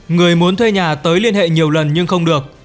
người muốn thuê nhà tới liên hệ nhiều lần nhưng không được